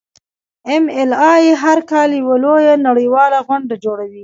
ایم ایل اې هر کال یوه لویه نړیواله غونډه جوړوي.